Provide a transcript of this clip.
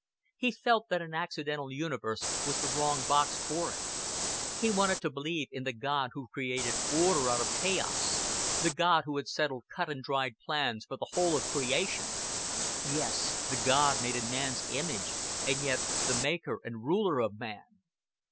He felt that an accidental universe was the wrong box for it. He wanted to believe in the God who created order out of chaos, the God who settled cut and dried plans for the whole of creation yes, the God made in man's image, and yet the Maker and Ruler of man.